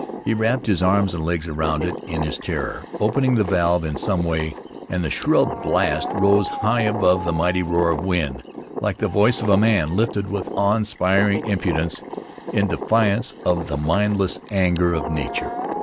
He wrapped arms and legs around it in his terror, opening the valve in some way, and the shrill blast rose high above the mighty roar of wind, like the voice of man lifted with awe inspiring impudence in defiance of the mindless anger of nature.